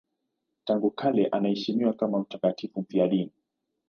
Tangu kale anaheshimiwa kama mtakatifu mfiadini.